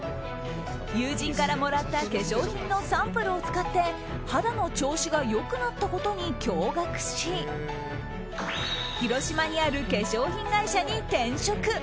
友人からもらった化粧品のサンプルを使って肌の調子が良くなったことに驚愕し広島にある化粧品会社に転職。